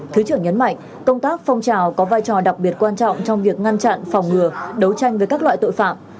thứ trưởng nhấn mạnh công tác phong trào có vai trò đặc biệt quan trọng trong việc ngăn chặn phòng ngừa đấu tranh với các loại tội phạm